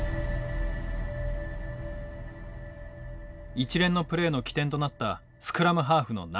一連のプレーの起点となったスクラムハーフの流。